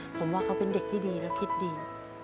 ผมว่าเขาเป็นเด็กที่ดีและคิดดี